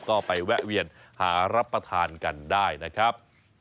ก็ไปแวะเวียนหารับประทานกันได้นะครับ